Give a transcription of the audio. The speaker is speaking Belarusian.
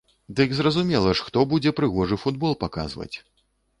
Дык зразумела ж, хто будзе прыгожы футбол паказваць!